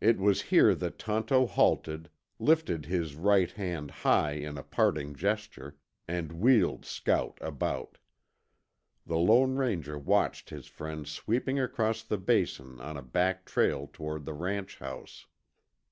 It was here that Tonto halted, lifted his right hand high in a parting gesture, and wheeled Scout about. The Lone Ranger watched his friend sweeping across the Basin on a back trail toward the ranch house.